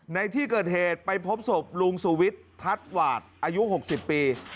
ในที่เกิดเหตุไปพบศพลุงสุวิทย์ทัศน์หวาดอายุ๖๐ปี